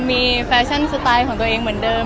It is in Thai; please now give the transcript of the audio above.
มีแฟชั่นสไตล์ของตัวเองเหมือนเดิม